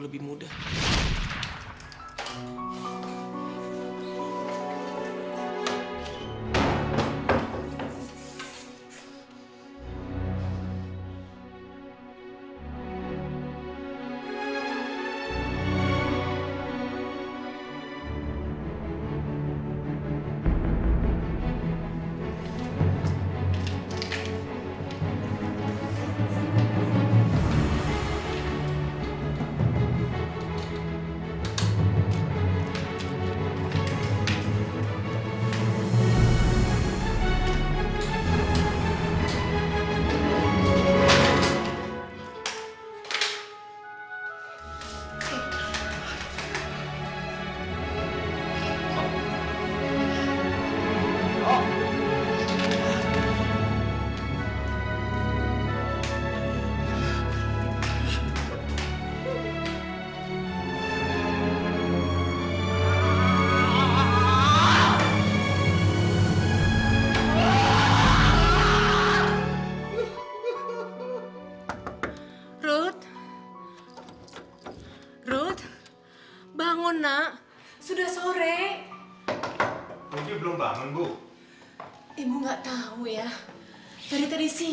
lagi badan ngapain disini